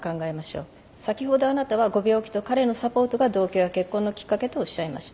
先ほどあなたはご病気と彼のサポートが同居や結婚のきっかけとおっしゃいました。